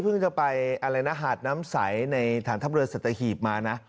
เพิ่งจะไปหาดน้ำใสในฐานทำเรือสัตว์ฮีบมานะ